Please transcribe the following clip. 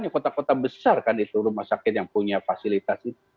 kota kota besar kan itu rumah sakit yang punya fasilitas itu